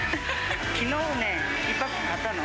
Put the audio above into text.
きのうね、１パック買ったの。